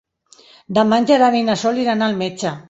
Demà en Gerard i na Sol iran al metge.